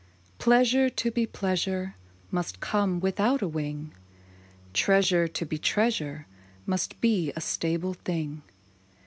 hi. Pleasure, to be pleasure, Must come without a wing ; Treasure, to be treasure, Must be a stable thing.